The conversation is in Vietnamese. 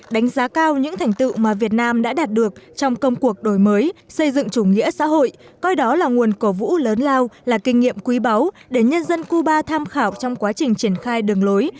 đánh giá cao những thành tựu mà việt nam đã đạt được trong công cuộc đổi mới xây dựng chủ nghĩa xã hội coi đó là nguồn cổ vũ lớn lao là kinh nghiệm quý báu để nhân dân cuba tham khảo trong quá trình triển khai đường lối